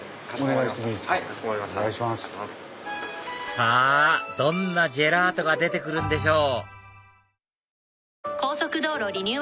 さぁどんなジェラートが出て来るんでしょう？